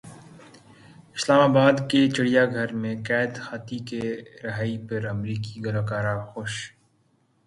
اسلام باد کے چڑیا گھر میں قید ہاتھی کی رہائی پر امریکی گلوکارہ خوش